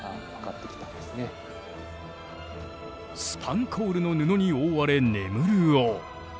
スパンコールの布に覆われ眠る王。